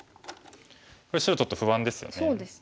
これ白ちょっと不安ですよね。